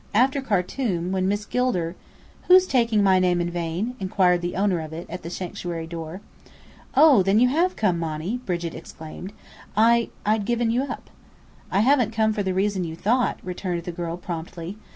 After Khartum, when Miss Gilder " "Who's taking my name in vain?" inquired the owner of it, at the sanctuary door. "Oh, then you have come, Monny!" Brigit exclaimed. "I I'd given you up." "I haven't come for the reason you thought," returned the girl promptly.